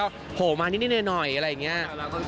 ก็โหมานิดหน่อยอะไรอย่างเงี้ย